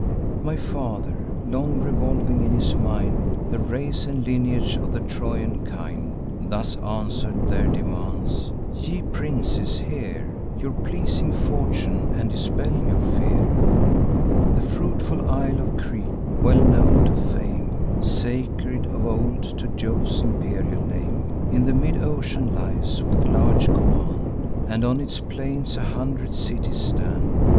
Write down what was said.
My father, long revolving in his mind The race and lineage of the Trojan kind, Thus answer'd their demands: 'Ye princes, hear Your pleasing fortune, and dispel your fear. The fruitful isle of Crete, well known to fame, Sacred of old to Jove's imperial name, In the mid ocean lies, with large command, And on its plains a hundred cities stand.